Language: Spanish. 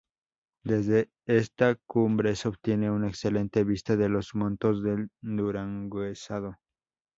Desde esta cumbre se obtiene una excelente vista de los montes del duranguesado.